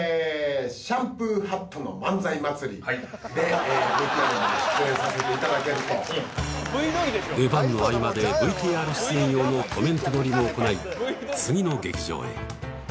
シャンプーハットの漫才祭りではいＶＴＲで出演させていただけるとうん出番の合間でＶＴＲ出演用のコメント撮りも行い次の劇場へ森ノ宮来ました